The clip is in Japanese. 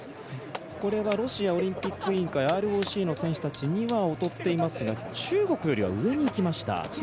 これはロシアオリンピック委員会ＲＯＣの選手たちよりは劣っていますが中国よりは上に行きました。